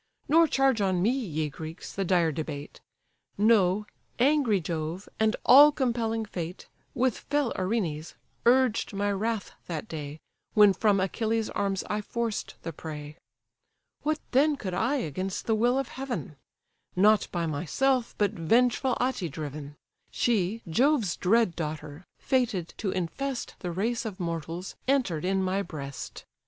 Nor charge on me, ye Greeks, the dire debate: Know, angry Jove, and all compelling Fate, With fell Erinnys, urged my wrath that day When from Achilles' arms I forced the prey. What then could I against the will of heaven? Not by myself, but vengeful Ate driven; She, Jove's dread daughter, fated to infest The race of mortals, enter'd in my breast.